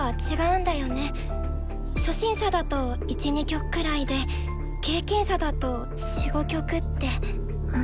初心者だと１２曲くらいで経験者だと４５曲って。